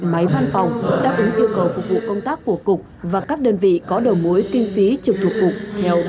máy văn phòng đáp ứng yêu cầu phục vụ công tác của cục và các đơn vị có đầu mối tiên phí trực thuộc cục theo ứng quy định